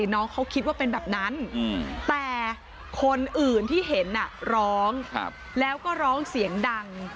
น้องเขาคิดว่าเป็นแบบนั้นแต่คนอื่นที่เห็นร้องแล้วก็ร้องเสียงดัง